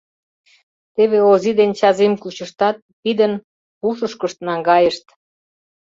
Теве Ози ден Чазим кучыштат, пидын, пушышкышт наҥгайышт...